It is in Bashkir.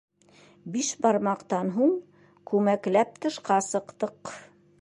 Бишбармаҡтан һуң күмәкләп тышҡа сыҡтыҡ